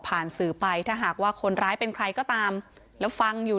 ฟังท่านเพิ่มค่ะบอกว่าถ้าผู้ต้องหาหรือว่าคนก่อเหตุฟังอยู่